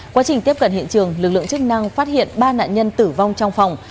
quá trình tiếp cận hiện trường lực lượng chức năng phát hiện ba nạn nhân tử vong trong phòng